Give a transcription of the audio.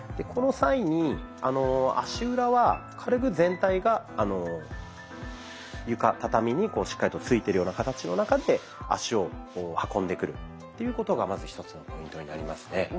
この際に足裏は軽く全体が床畳にしっかりとついてるような形の中で足を運んでくるっていうことがまず一つのポイントになりますね。